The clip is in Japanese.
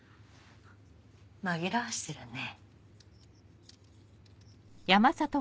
紛らわしてるね。